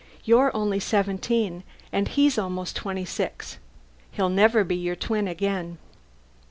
You're only seventeen, and he's almost twenty six. He'll never be your twin again."